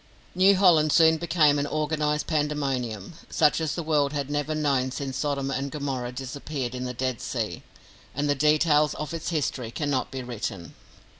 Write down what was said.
New Holland soon became an organised pandemonium, such as the world had never known since Sodom and Gomorrah disappeared in the Dead Sea, and the details of its history cannot be written.